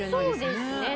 そうですね。